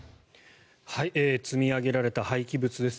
積み上げられた廃棄物です。